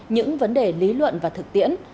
những vấn đề lý luận và thực tiễn